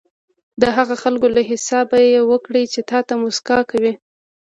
د هغه خلکو له حسابه یې وکړئ چې تاته موسکا کوي.